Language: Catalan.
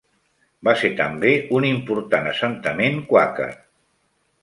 Va ser també un important assentament quàquer.